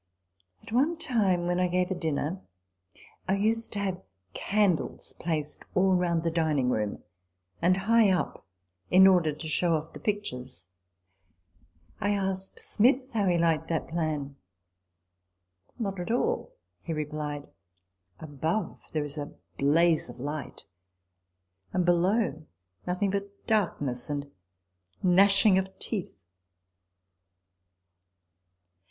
At one time, when I gave a dinner, I used to have candles placed all round the dining room, and high up, in order to show off the pictures. I asked Smith how he liked that plan. " Not at all," he replied ;" above, there is a blaze of light, and below, nothing but darkness and gnashing of teeth."